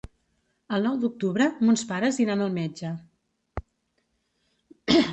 El nou d'octubre mons pares iran al metge.